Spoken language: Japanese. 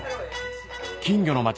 金魚の町